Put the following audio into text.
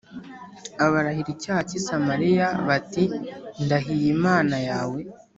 Abarahira icyaha cy’i Samariya bati ‘Ndahiye imana yawe